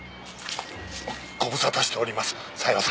ご無沙汰しておりますさよ様。